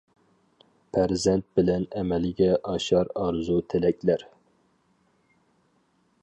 پەرزەنت بىلەن ئەمەلگە ئاشار ئارزۇ تىلەكلەر.